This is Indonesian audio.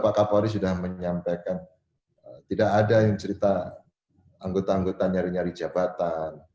pak kapolri sudah menyampaikan tidak ada yang cerita anggota anggota nyari nyari jabatan